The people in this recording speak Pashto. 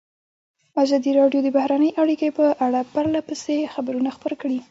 ازادي راډیو د بهرنۍ اړیکې په اړه پرله پسې خبرونه خپاره کړي.